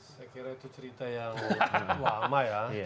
saya kira itu cerita yang lama ya